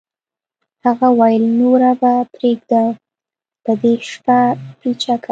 هغه وویل نوره به پرېږدو په دې شپه پیچکه